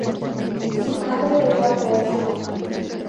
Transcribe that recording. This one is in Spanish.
Su madre era persa.